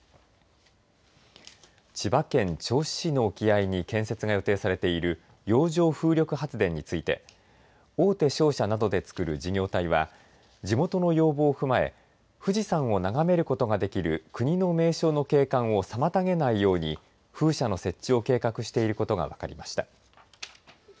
千葉県銚子市の沖合に建設が予定されている洋上風力発電について大手商社などでつくる事業体は地元の要望を踏まえ富士山を眺めることができる国の名勝の景観を妨げないように風車の設置を計画していることが分かりました。